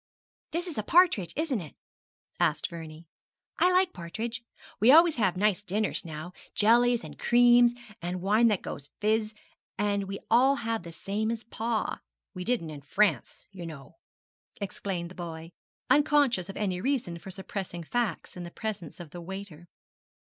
'This is partridge, isn't it?' asked Vernie. 'I like partridge. We always have nice dinners now jellies, and creams, and wine that goes fizz; and we all have the same as pa. We didn't in France, you know,' explained the boy, unconscious of any reason for suppressing facts in the presence of the waiter.